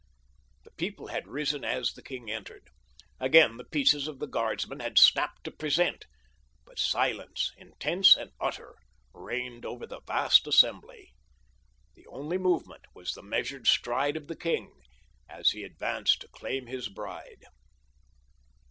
The people had risen as the king entered. Again, the pieces of the guardsmen had snapped to present; but silence, intense and utter, reigned over the vast assembly. The only movement was the measured stride of the king as he advanced to claim his bride.